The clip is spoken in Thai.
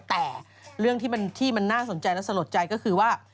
แต่เรื่องที่มันน่าสนใจและสลดใจก็คือว่า